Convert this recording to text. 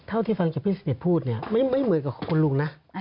เท่าที่ฟังจากพี่เสด็จพูดเนี่ยไม่เหมือนกับคุณลุงนะ